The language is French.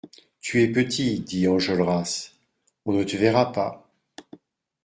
Tu es petit, dit Enjolras, on ne te verra pas.